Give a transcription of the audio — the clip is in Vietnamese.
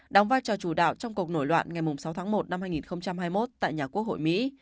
đóng vai trò chủ đạo trong cuộc nổi loạn ngày sáu tháng một năm hai nghìn hai mươi một tại nhà quốc hội mỹ